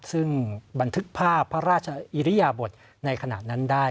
ซึ่งบันทึกภาพพระราชอิริยบทในขณะนั้นได้